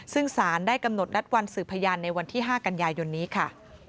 ซึ่งสารได้กำหนดนัดวันสืบพยานในวันที่๕กันยายนนี้ค่ะ